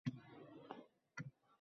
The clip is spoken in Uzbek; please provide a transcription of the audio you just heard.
“Durrasini boshiga tang‘ib